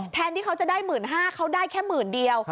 แทนที่เขาจะได้๑๕๐๐เขาได้แค่หมื่นเดียว